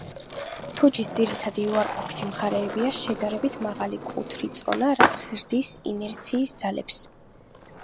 თუჯის ძირითადი უარყოფითი მხარეებია: შედარებით მაღალი კუთრი წონა, რაც ზრდის ინერციის ძალებს.